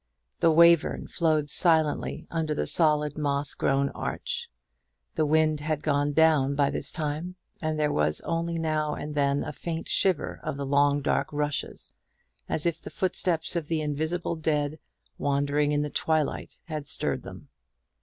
The Wayverne flowed silently under the solid moss grown arch; the wind had gone down by this time, and there was only now and then a faint shiver of the long dark rushes, as if the footsteps of the invisible dead, wandering in the twilight, had stirred them.